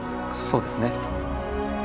そうですね。